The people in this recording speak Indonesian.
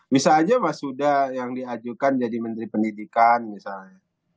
mas huda bisa aja yang diajukan jadi menteri pendidikan misalnya